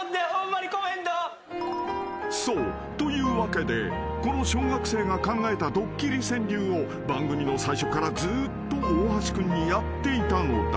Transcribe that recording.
［そう。というわけでこの小学生が考えたドッキリ川柳を番組の最初からずっと大橋君にやっていたのだ］